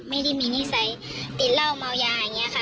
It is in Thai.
ไม่ได้มีนิสัยกินเหล้าเมายาอย่างนี้ค่ะ